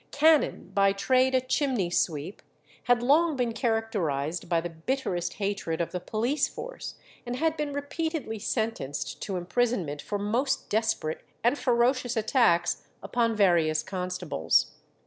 Cannon, by trade a chimney sweep, had long been characterized by the bitterest hatred of the police force, and had been repeatedly sentenced to imprisonment for most desperate and ferocious attacks upon various constables.